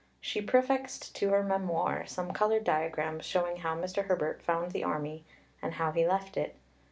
She prefixed to her Memoir some coloured diagrams showing how Mr. Herbert found the Army and how he left it.